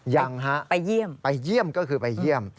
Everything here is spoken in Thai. ยังฮะไปเยี่ยมก็คือไปเยี่ยม